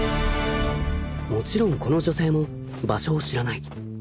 ［もちろんこの女性も場所を知らない］